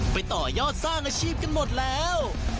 ต่อยอดสร้างอาชีพกันหมดแล้ว